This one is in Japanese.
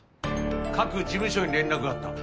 各事務所に連絡があった。